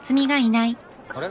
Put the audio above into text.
あれ？